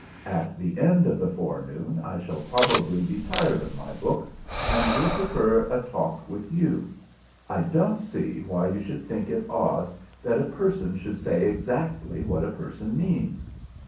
At the end of the forenoon I shall probably be tired of my book and will prefer a talk with you. I don't see why you should think it odd that a person should say exactly what a person means."